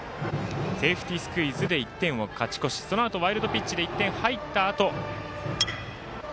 セーフティースクイズで１点を勝ち越しワイルドピッチで１点入ったあと。